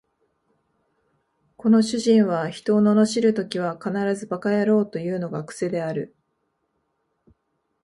この主人は人を罵るときは必ず馬鹿野郎というのが癖である